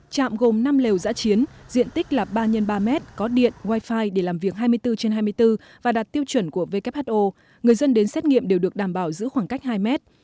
trạm gồm năm lều giã chiến diện tích là ba x ba mét có điện wifi để làm việc hai mươi bốn trên hai mươi bốn và đạt tiêu chuẩn của who người dân đến xét nghiệm đều được đảm bảo giữ khoảng cách hai mét